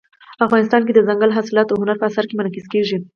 افغانستان کې دځنګل حاصلات د هنر په اثار کې منعکس کېږي.